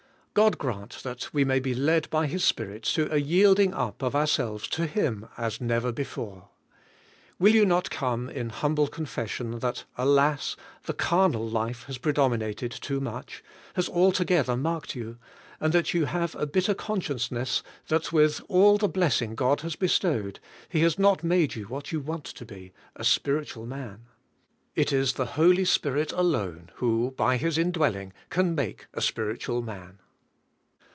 God grant that we may be led by His Spirit to a yielding up of our selves to Him as never before. Will you not come in humble confession that, alas! the carnal life has predominated too much, has altogether marked you, 24 CARNAL CHRISTIANS and that you have a bitter consciousness that with all the blessing God has bestowed, He has not made you what you want to be — a spiritual man ? It is the Holy Spirit alone wJio by His indwell ing can make a spii'itnal man.